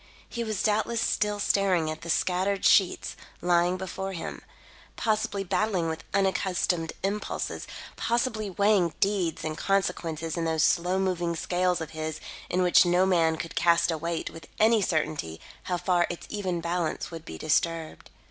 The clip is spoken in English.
He was doubtless still staring at the scattered sheets lying before him; possibly battling with unaccustomed impulses; possibly weighing deeds and consequences in those slow moving scales of his in which no man could cast a weight with any certainty how far its even balance would be disturbed.